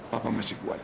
papa masih kuat